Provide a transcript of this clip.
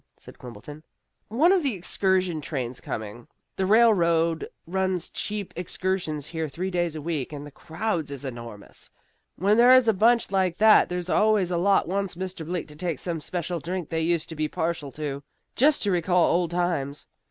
said Quimbleton. "One of the excursion trains coming. The railroad runs cheap excursions here three days a week, and the crowds is enormous. When there's a bunch like that there's always a lot wants Mr. Bleak to take some special drink they used to be partial to, just to recall old times.